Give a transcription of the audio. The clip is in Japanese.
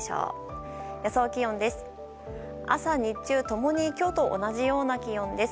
朝、日中共に今日と同じような気温です。